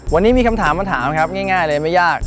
วันนี้มีคำถามมาถามครับง่ายเลยไม่ยาก